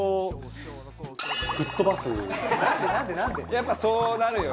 やっぱそうなるよね。